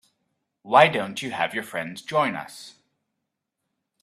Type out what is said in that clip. Why don't you have your friends join us?